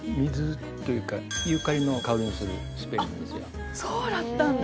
あっそうだったんだ！